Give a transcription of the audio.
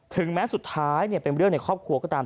แม้สุดท้ายเป็นเรื่องในครอบครัวก็ตาม